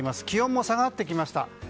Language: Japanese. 気温も下がってきました。